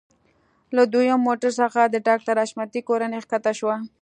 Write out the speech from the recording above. له دويم موټر څخه د ډاکټر حشمتي کورنۍ ښکته شوه.